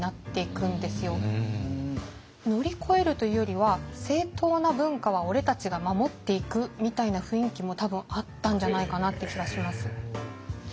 乗り越えるというよりは正統な文化は俺たちが守っていくみたいな雰囲気も多分あったんじゃないかなって気はします。